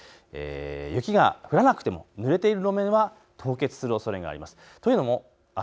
雪が降らなくてもぬれている路面は凍結する可能性があります。